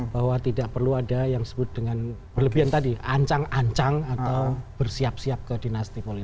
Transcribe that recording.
bahwa tidak perlu ada yang disebut dengan berlebihan tadi ancang ancang atau bersiap siap ke dinasti politik